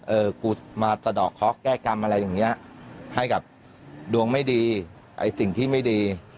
เออกูมาสะดอกเคาะแก้กรรมอะไรอย่างเงี้ยให้กับดวงไม่ดีไอ้สิ่งที่ไม่ดี